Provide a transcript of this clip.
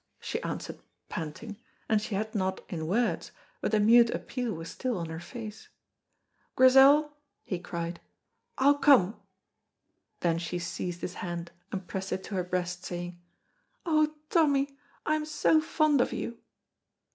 she answered, panting, and she had not in words, but the mute appeal was still on her face. "Grizel," he cried, "I'll come!" Then she seized his hand and pressed it to her breast, saying, "Oh, Tommy, I am so fond of you!"